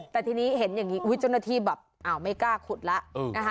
แต่ทีนี้เห็นอย่างนี้เจ้าหน้าที่แบบอ้าวไม่กล้าขุดแล้วนะคะ